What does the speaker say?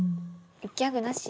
ギャグなし？